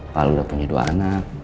pak al udah punya dua anak